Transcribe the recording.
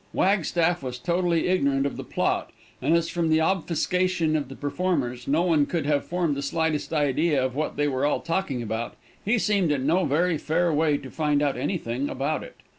Wagstaff was totally ignorant of the plot, and as from the obfuscation of the performers, no one could have formed the slightest idea of what they were all talking about, he seemed in no very fair way to find out anything about it.